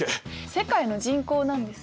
世界の人口なんですが。